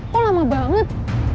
kok lama banget